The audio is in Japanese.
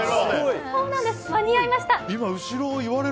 間に合いました、